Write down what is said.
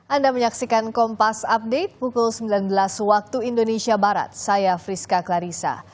anda menyaksikan kompas update pukul sembilan belas waktu indonesia barat saya friska clarissa